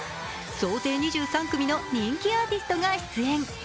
総勢２３組の人気アーティストが出演。